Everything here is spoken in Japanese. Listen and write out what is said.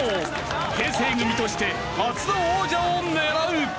平成組として初の王者を狙う！